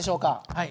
はい。